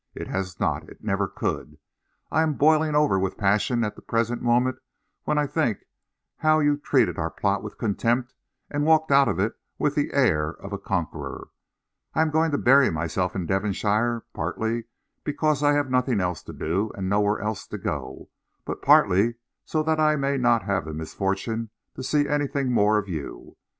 It has not. It never could. I am boiling over with passion at the present moment when I think how you treated our plot with contempt and walked out of it with the air of a conqueror. I am going to bury myself in Devonshire, partly because I have nothing else to do and nowhere else to go, but partly so that I may not have the misfortune to see anything more of you.